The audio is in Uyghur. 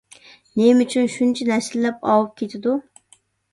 نېمە ئۈچۈن شۇنچە نەسىللەپ ئاۋۇپ كېتىدۇ؟